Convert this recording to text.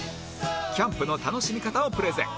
キャンプの楽しみ方をプレゼン